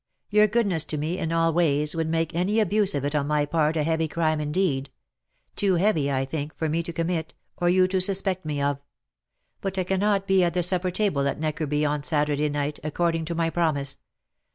Your goodness to me, in all ways, would make any abuse of it on my part a heavy crime indeed — too heavy, I think, for me to commit, or you to suspect me of. But I cannot be at the supper table at Neckerby, on next Saturday night, according to my promise.